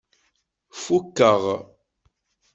Fukkeɣ.